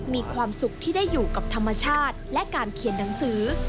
มีความสุขที่ได้อยู่กับธรรมชาติและการเขียนหนังสือ